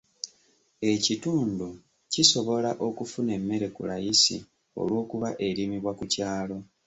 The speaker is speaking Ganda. Ekitundu kisobola okufuna emmere ku layisi olw'okuba erimibwa ku kyalo.